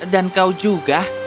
dan kau juga